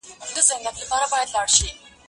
کېدای سي انځورونه خراب وي.